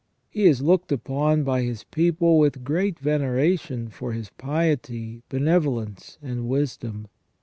He is looked upon by his people with great veneration for his piety, benevolence, and wisdom.